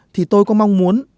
thì tôi có mong muốn